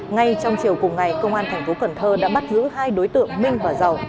ngay trong chiều cùng ngày công an tp cn đã bắt giữ hai đối tượng minh và giàu